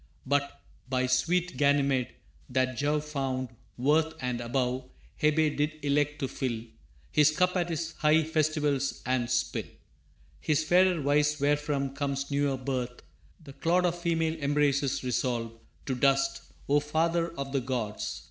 But, by sweet Ganymede, that Jove found worth And above Hebe did elect to fill His cup at his high festivals, and spill His fairer vice wherefrom comes newer birth , The clod of female embraces resolve To dust, o father of the gods!